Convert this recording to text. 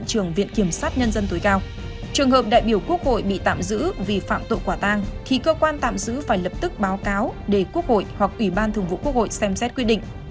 trường hợp đại biểu quốc hội bị tạm giữ vì phạm tội quả tang thì cơ quan tạm giữ phải lập tức báo cáo để quốc hội hoặc ủy ban thường vụ quốc hội xem xét quy định